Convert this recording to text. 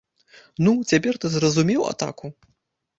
Ну, цяпер ты зразумеў атаку?